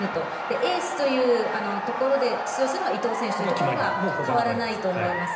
エースというところで出場するのが伊藤選手というのは変わらないと思います。